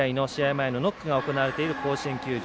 前のノックが行われている甲子園球場。